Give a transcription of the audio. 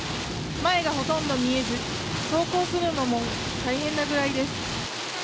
前がほとんど見えず走行するのも大変なぐらいです。